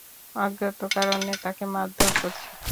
অজ্ঞাত কারণে তাকে মারধর করছে।